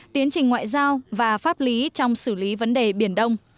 tiến trình ngoại giao và pháp lý trong xử lý vấn đề biển đông